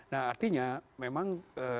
nah artinya memang